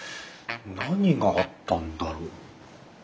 何があったんだろう。